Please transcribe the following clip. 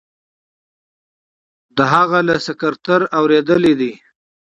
د هغه له سکرتر اوریدلي دي.